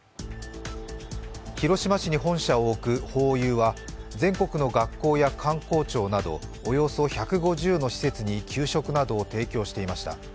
広島市に本社を置くホーユーは全国の学校や官公庁などおよそ１５０の施設に給食などを提供していました。